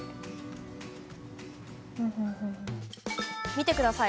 見てください。